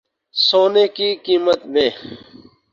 سونے کی قیمت میں